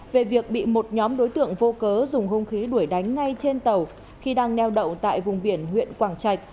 về việc bị một nhóm đối tượng vô cớ dùng hung khí đuổi đánh ngay trên tàu khi đang neo đậu tại vùng biển huyện quảng trạch